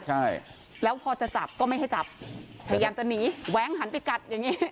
ใช่แล้วพอจะจับก็ไม่ให้จับพยายามจะหนีแว้งหันไปกัดอย่างนี้